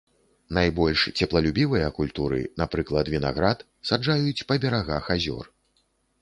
Найбольш цеплалюбівыя культуры, напрыклад вінаград, саджаюць па берагах азёр.